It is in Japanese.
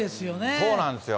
そうなんですよ。